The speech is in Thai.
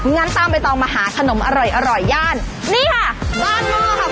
งั้นตามไปต่อมาหาขนมอร่อยย่านนี่ค่ะบ้านโม่ค่ะคุณผู้ชม